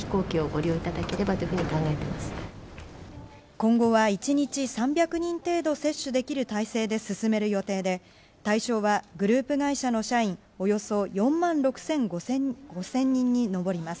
今後は１日３００人程度接種できる体制で進める予定で対象はグループ会社の社員およそ４万６５００人に上ります。